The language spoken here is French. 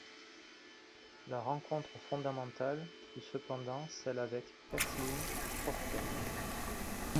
La rencontre fondamentale fut cependant celle avec Kathleen Crofton.